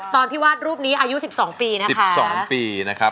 ตอนที่วาดรูปนี้อายุ๑๒ปีนะคะ